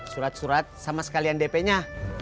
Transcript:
surat surat sama sekalian dp nya